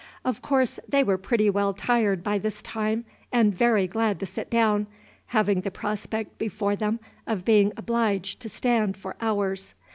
Of course they were pretty well tired by this time, and very glad to sit down, having the prospect before them of being obliged to stand for hours.